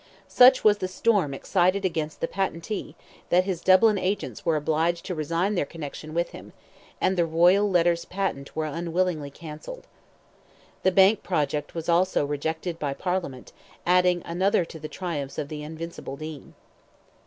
Such was the storm excited against the patentee, that his Dublin agents were obliged to resign their connection with him, and the royal letters patent were unwillingly cancelled. The bank project was also rejected by Parliament, adding another to the triumphs of the invincible Dean.